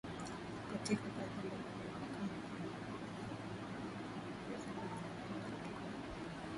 katika kazi ndogondogo kama vile kupika na kukamua ngombe ujuzi ambao hujifunza kutoka kwa